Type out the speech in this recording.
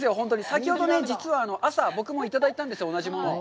先ほどね、実は朝、僕もいただいたんですよ、同じものを。